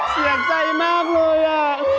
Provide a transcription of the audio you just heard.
เสียใจมากเลยอ่ะ